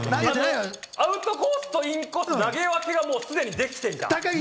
アウトコースとインコースの投げ分けがすでにできていた。